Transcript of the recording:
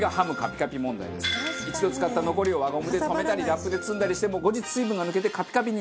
一度使った残りを輪ゴムで留めたりラップで包んだりしても後日水分が抜けてカピカピに。